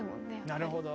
なるほど。